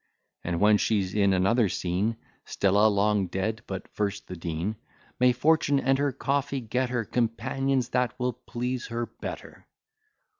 And when she's in another scene, Stella long dead, but first the Dean, May fortune and her coffee get her Companions that will please her better!